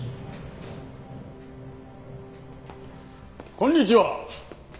こんにちは。